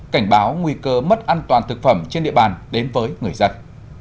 cảnh báo nguy cơ mất an toàn thực phẩm trên địa bàn đến với người dân